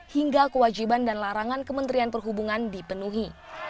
hingga kewajiban dan larangan kementerian perhubungan dipenuhi